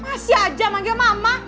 masih aja manggil mama